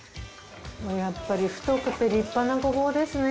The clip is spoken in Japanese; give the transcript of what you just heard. やっぱり太くて立派なゴボウですね。